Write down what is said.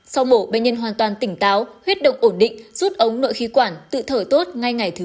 sau mổ bệnh nhân hoàn toàn tỉnh táo huyết động ổn định rút ống nội khí quản tự thở tốt ngay ngày thứ sáu